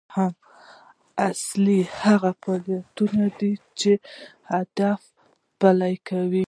دوهم اصل هغه فعالیتونه دي چې اهداف پلي کوي.